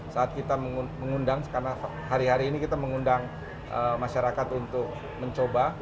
saat kita mengundang karena hari hari ini kita mengundang masyarakat untuk mencoba